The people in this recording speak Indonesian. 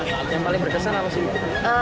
yang paling berkesan apa sih